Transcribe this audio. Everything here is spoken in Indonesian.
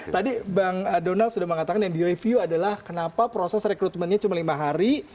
tadi bang donald sudah mengatakan yang direview adalah kenapa proses rekrutmennya cuma lima hari